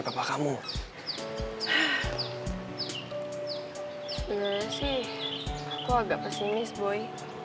sebenarnya sih aku agak pesimis boy